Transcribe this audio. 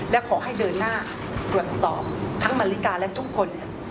และขอให้เดินหน้าตรวจสอบทั้งนาฬิกาและทุกคน